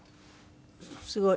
すごい。